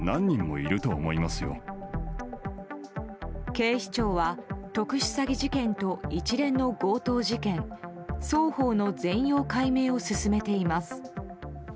警視庁は特殊詐欺事件と一連の強盗事件双方の全容解明を進めています。